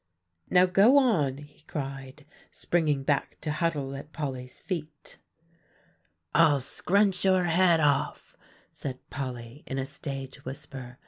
"Now go on," he cried, springing back to huddle at Polly's feet. "'I'll scrunch your head off,'" said Polly in a stage whisper.